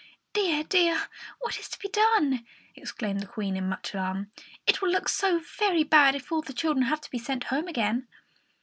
"Dear, dear! What is to be done?" exclaimed the Queen, in much alarm. "It will look so very bad if all the children have to be sent home again!"